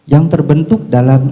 yang terbentuk dalam